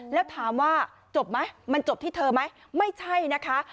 แล้วถามว่าจบไหมมันจบที่เธอไหมไม่ใช่นะคะ